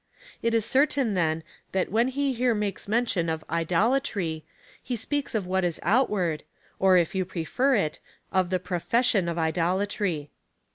It is certain, then, that when he here makes mention of idolatry, he speaks of what is outward, or, if you prefer it, of the profession^ of idolatry.